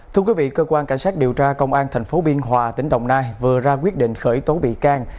thưa quý vị cơ quan cảnh sát điều tra công an tp biên hòa tỉnh đồng nai vừa ra quyết định khởi tố bị can